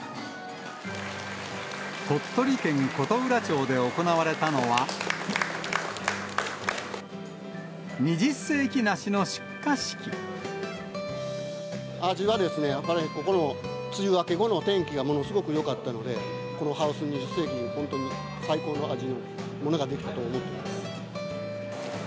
鳥取県琴浦町で行われたのは、味は、ここの梅雨明け後の天気がものすごくよかったので、このハウス二十世紀梨、最高の味のものが出来たと思っています。